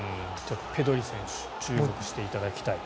ペドリ選手注目していただきたい。